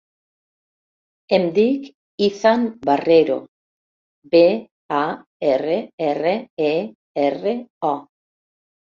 Em dic Izan Barrero: be, a, erra, erra, e, erra, o.